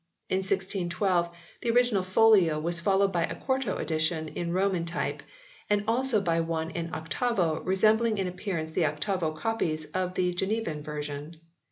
In 1612 the original folio was followed by a quarto edition in Roman type, and also by one in octavo resembling in appearance the octavo copies of the Genevan Version.